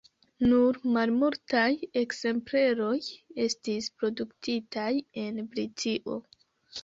Nur malmultaj ekzempleroj estis produktitaj en Britio.